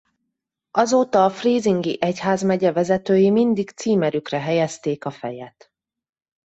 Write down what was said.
Azóta a freisingi egyházmegye vezetői mindig címerükre helyezték a fejet.